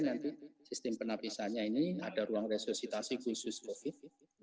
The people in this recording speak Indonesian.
nanti sistem penapisannya ini ada ruang resusitasi khusus covid sembilan belas